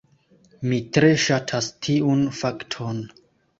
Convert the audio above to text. Mi tre ŝatas tiun fakton.